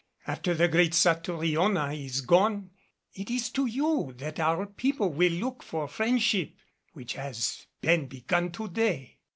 After the great Satouriona is gone, it is to you that our people will look for the friendship which has been begun to day."